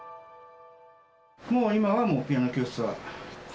もう今はもう、ピアノ教室は？